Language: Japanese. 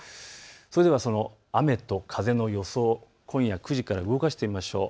それでは雨と風の予想を今夜９時から動かしてみましょう。